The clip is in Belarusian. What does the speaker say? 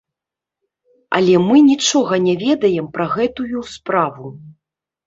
Але мы нічога не ведаем пра гэтую справу.